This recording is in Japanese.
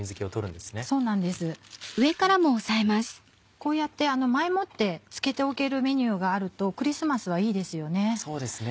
こうやって前もって漬けておけるメニューがあるとクリスマスはいいですよね。